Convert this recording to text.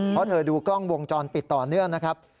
เพราะเธอดูกล้องวงจรปิดต่อเนื่องนะครับ